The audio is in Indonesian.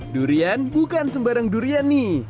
durian bukan sembarang durian nih